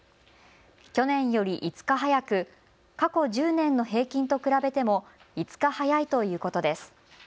去年より５日早く、過去１０年の平均と比べても５日早いということです。